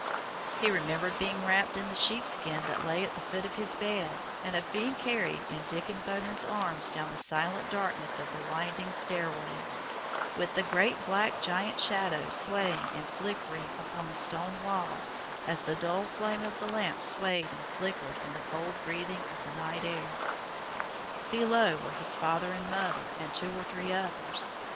He remembered being wrapped in the sheepskin that lay at the foot of his bed, and of being carried in Diccon Bowman's arms down the silent darkness of the winding stair way, with the great black giant shadows swaying and flickering upon the stone wall as the dull flame of the lamp swayed and flickered in the cold breathing of the night air. Below were his father and mother and two or three others.